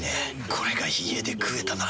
これが家で食えたなら。